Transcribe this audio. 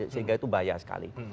sehingga itu bahaya sekali